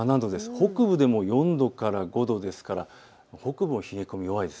北部でも４度から５度ですから北部も冷え込み、弱いです。